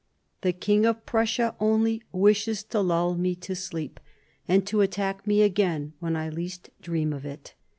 The King of Prussia only wishes to lull me to sleep, and to attack me again when I least dream of it."